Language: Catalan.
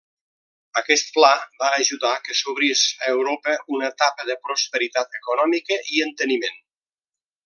Aquest pla va ajudar que s'obrís a Europa una etapa de prosperitat econòmica i enteniment.